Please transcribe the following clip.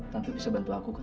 tante bisa bantu aku